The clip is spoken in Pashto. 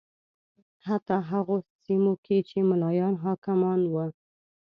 حتی هغه سیمو کې چې ملایان حاکمان و